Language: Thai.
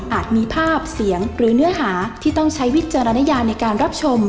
มีภาพเสียงหรือเนื้อหาที่ต้องใช้วิจารณญาในการรับชม